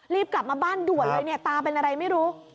รีบกลับมาบ้านด่วนเลยเนี่ยตาเป็นอะไรไม่รู้